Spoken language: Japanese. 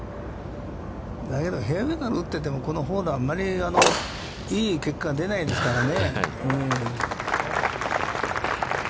だけど、フェアウェイから打っていても、このホールはあんまりいい結果が出ないですからね。